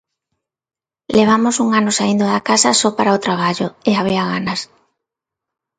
Levamos un ano saíndo da casa só para o traballo, e había ganas.